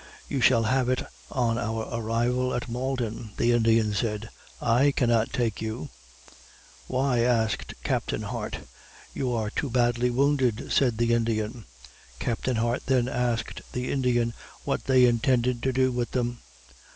You shall have it on our arrival at Malden." The Indian said, "I cannot take you." "Why?" asked Captain Hart. "You are too badly wounded," said the Indian. Captain Hart then asked the Indian, what they intended to do with them?